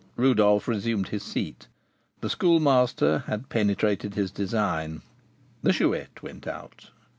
Rodolph resumed his seat. The Schoolmaster had penetrated his design. The Chouette went out.